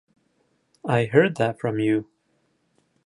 I heard that from you.